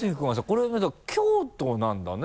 これ京都なんだね。